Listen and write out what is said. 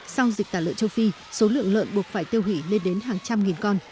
sau dịch tả lợn châu phi số lượng lợn buộc phải tiêu hủy lên đến hàng trăm nghìn con